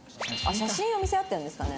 写真を見せ合ってるんですかね。